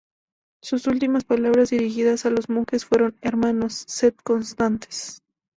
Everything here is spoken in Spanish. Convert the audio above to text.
Sus últimas palabras, dirigidas a los monjes, fueron: "Hermanos, sed constantes.